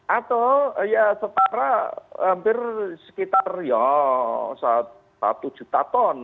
atau ya setara hampir sekitar ya satu juta ton